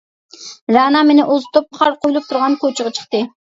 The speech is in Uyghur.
رەنا مېنى ئۇزىتىپ قار قۇيۇلۇپ تۇرغان كوچىغا چىقتى.